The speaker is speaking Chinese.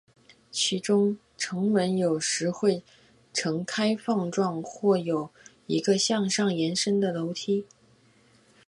其中城门有时会呈开放状或有一个向上延伸的楼梯。